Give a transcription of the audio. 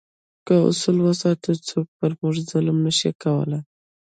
که اصول وساتو، څوک پر موږ ظلم نه شي کولای.